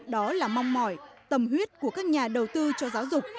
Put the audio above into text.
đó là mong mỏi tầm huyết của các nhà đầu tư